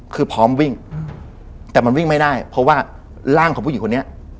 คือพร้อมวิ่งแต่มันวิ่งไม่ได้เพราะว่าร่างของผู้หญิงคนนี้